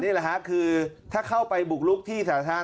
นี่แหละฮะคือถ้าเข้าไปบุกลุกที่สาธารณะ